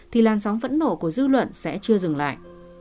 thì lan sóng vẫn nổ của dư luận sẽ chưa dừng lại